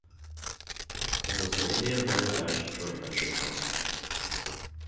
It was an India Bangladesh joint venture film.